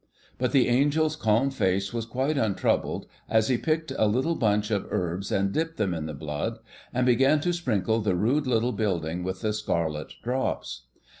But the angel's calm face was quite untroubled as he picked a little bunch of herbs and dipped them in the blood, and began to sprinkle the rude little building with the scarlet drops.